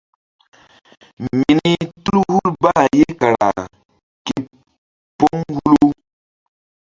Mini tul hul bah ye kara képóŋ hulu.